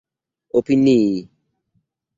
opinii